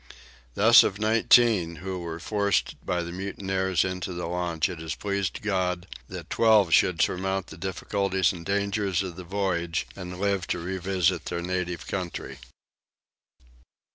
Thus of nineteen who were forced by the mutineers into the launch it has pleased God that twelve should surmount the difficulties and dangers of the voyage and live to revisit their native country.